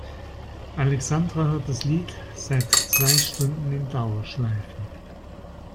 Alexandra hört das Lied seit zwei Stunden in Dauerschleife.